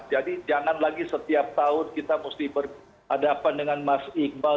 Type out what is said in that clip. jadi jangan lagi setiap tahun kita mesti berhadapan dengan mas iqbal